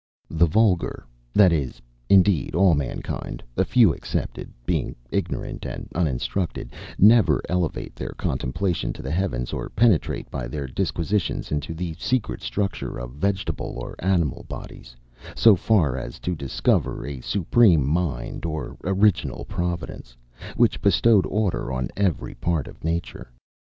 The vulgar that is, indeed, all mankind, a few excepted being ignorant and uninstructed, never elevate their contemplation to the heavens, or penetrate by their disquisitions into the secret structure of vegetable or animal bodies; so far as, to discover a Supreme Mind or Original Providence, which bestowed order on every part of nature.